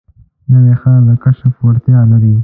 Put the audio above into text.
نوی ښار د کشف وړتیا لري